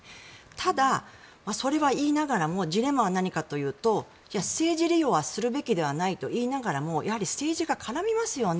ただ、それは言いながらもジレンマは何かというと政治利用はするべきではないと言いながらもやはり政治が絡みますよね